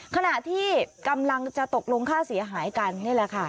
ขณะที่กำลังจะตกลงค่าเสียหายกันนี่แหละค่ะ